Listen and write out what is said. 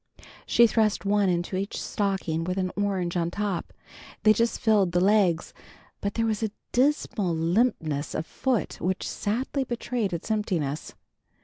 She thrust one into each stocking with an orange on top. They just filled the legs, but there was a dismal limpness of foot which sadly betrayed its emptiness.